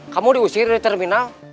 kamu diusir di terminal